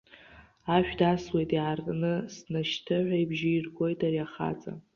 Ашә дасуеит, иаарты, снашьҭы ҳәа ибжьы иргоит ари ахаҵа.